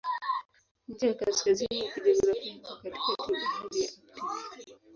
Ncha ya kaskazini ya kijiografia iko katikati ya Bahari ya Aktiki.